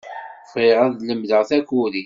Bɣiɣ ad lemdeɣ takurit.